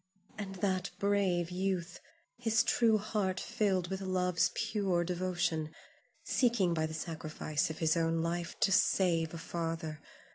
And that brave youth, his true heart filled with love's pure devotion, seeking by the sacrifice of his own life to save a father!